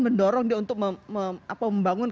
mendorong dia untuk membangun